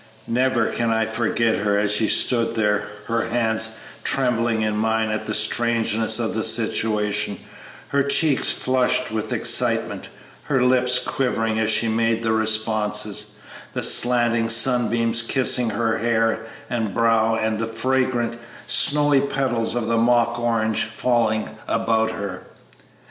Never can I forget her as she stood there, her hand trembling in mine at the strangeness of the situation, her cheeks flushed with excitement, her lips quivering as she made the responses, the slanting sunbeams kissing her hair and brow and the fragrant, snowy petals of the mock orange falling about her.